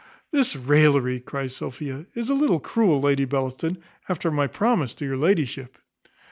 "This raillery," cries Sophia, "is a little cruel, Lady Bellaston, after my promise to your ladyship."